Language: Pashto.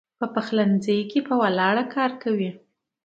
پۀ پخلي ځائے کښې پۀ ولاړه کار کوي